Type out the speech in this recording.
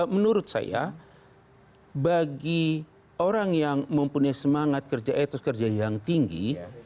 menurut saya bagi orang yang mempunyai semangat kerja etos kerja yang tinggi